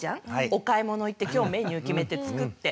お買い物行って今日メニュー決めて作って。